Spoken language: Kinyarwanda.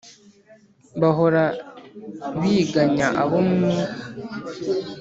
bahora biganya abo mu z' ijari